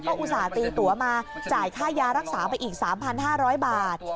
ก็อุตส่าห์ตีตัวมาจ่ายค่ายารักษาไปอีก๓๕๐๐บาท